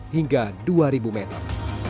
lima ratus hingga dua ribu meter